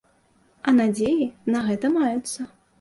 А надзеі на гэта маюцца.